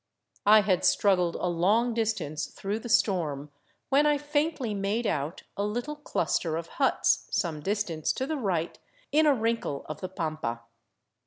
I had strug gled a long distance through the storm, when I faintly made out a little cluster of huts some distance to the right in a wrinkle of the pampa.